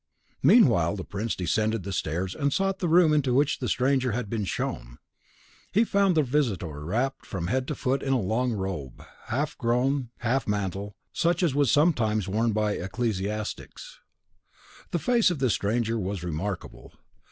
Meanwhile the prince descended the stairs and sought the room into which the stranger had been shown. He found the visitor wrapped from head to foot in a long robe, half gown, half mantle, such as was sometimes worn by ecclesiastics. The face of this stranger was remarkable.